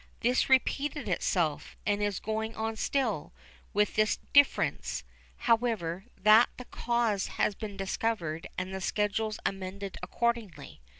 This repeated itself, and is going on still, with this difference, however, that the cause has been discovered and the schedules amended accordingly.